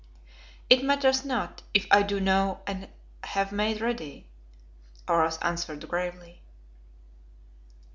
"It matters not if I do know and have made ready," Oros answered gravely.